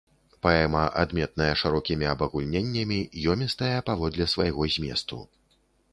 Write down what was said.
Паэма адметная шырокімі абагульненнямі, ёмістая паводле свайго зместу.